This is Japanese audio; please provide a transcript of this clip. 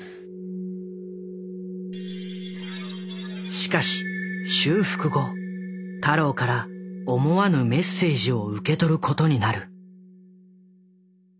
しかし修復後太郎から思わぬメッセージを受け取ることになる。